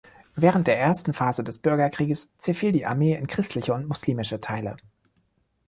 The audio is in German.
Während der Ersten Phase des Bürgerkrieges zerfiel die Armee in christliche und muslimische Teile.